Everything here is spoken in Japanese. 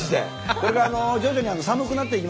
これから徐々に寒くなっていきますのでね